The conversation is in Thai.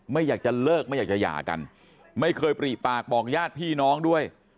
ไม่อยากจะเลิกไม่อยากจะหย่ากันไม่เคยปรีปากบอกญาติพี่น้องด้วย